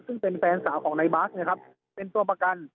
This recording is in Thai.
ซึ่งเป็นแฟนสาวของนายบาสนะครับเป็นตัวประกัน